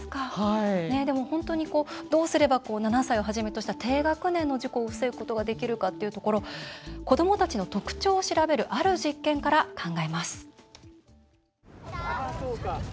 でも本当にどうすれば７歳をはじめとした低学年の事故を防ぐことができるかというところ子どもたちの特徴を調べるある実験から考えます。